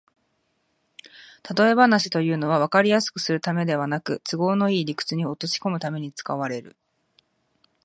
たとえ話というのは、わかりやすくするためではなく、都合のいい理屈に落としこむために使われる